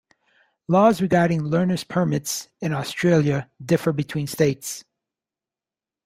Laws regarding learner's permits in Australia differ between states.